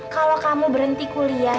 kalau kamu berhenti kuliah